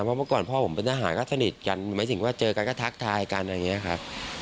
เพราะเมื่อก่อนพ่อผมเป็นทหารก็สนิทกันหมายถึงว่าเจอกันก็ทักทายกันอะไรอย่างนี้ครับ